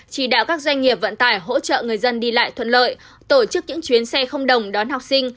chỉ đạo các doanh nghiệp vận tải hỗ trợ người dân đi lại thuận lợi tổ chức những chuyến xe không đồng đón học sinh